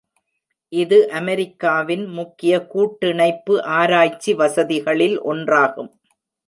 இது அமெரிக்காவின் முக்கிய கூட்டிணைப்பு ஆராய்ச்சி வசதிகளில் ஒன்றாகும்.